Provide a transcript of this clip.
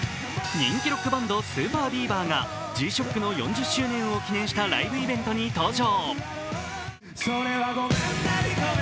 人気ロックバンド、ＳＵＰＥＲＢＥＡＶＥＲがＧ−ＳＨＯＣＫの４０周年を記念したライブイベントに登場。